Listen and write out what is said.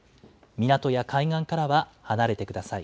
港や海岸からは離れてください。